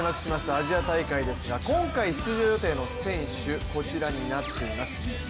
アジア大会ですが今回、出場予定の選手、こちらになっています。